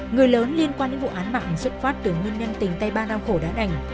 người lớn liên quan đến vụ án mạng xuất phát từ nguyên nhân tình tay ba đau khổ đá đành